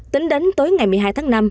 tính đến tối ngày một mươi hai tháng năm